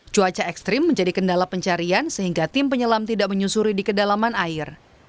cuaca ekstrim menjadi kendala pencarian sehingga tim penyelam tidak menyusuri di kedalaman air